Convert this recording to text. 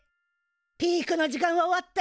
ピークの時間は終わったよ。